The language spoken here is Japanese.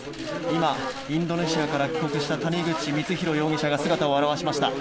今、インドネシアから帰国した谷口光弘容疑者が姿を現しました。